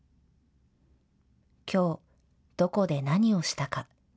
きょう、どこで何をしたか。